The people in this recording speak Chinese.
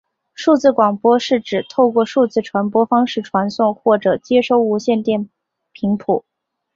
数字广播是指透过数字传播方式传送或者接收无线电频谱。